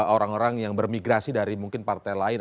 orang orang yang bermigrasi dari mungkin partai lain